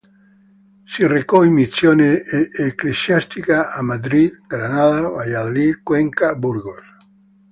Si recò in missioni ecclesiastiche a Madrid, Granada, Valladolid, Cuenca, Burgos.